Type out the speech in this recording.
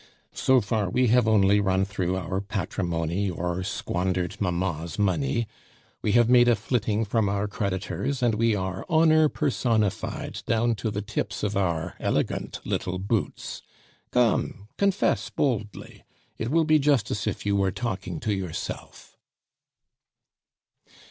So far we have only run through our patrimony or squandered mamma's money. We have made a flitting from our creditors, and we are honor personified down to the tips of our elegant little boots. ... Come, confess, boldly; it will be just as if you were talking to yourself."